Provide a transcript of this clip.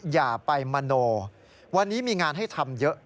อย่าไปมโนวันนี้มีงานให้ทำเยอะ